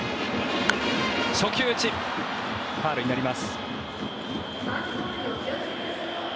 初球打ちファウルになります。